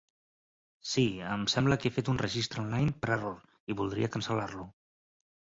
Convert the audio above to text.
Sí, em sembla que he fet un registre online per error i voldria cancel·lar-lo.